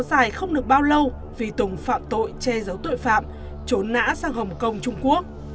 phải không được bao lâu vì tùng phạm tội che giấu tội phạm trốn nã sang hồng kông trung quốc